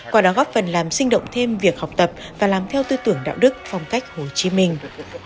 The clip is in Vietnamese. qua đó góp phần làm sinh động thêm việc học tập và làm theo tư tưởng đạo đức phong cách hồ chí minh